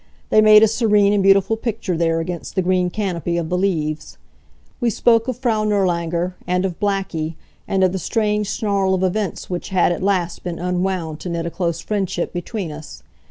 They made a serene and beautiful picture there against the green canopy of the leaves. We spoke of Frau Nirlanger, and of Blackie, and of the strange snarl of events which had at last been unwound to knit a close friendship between us.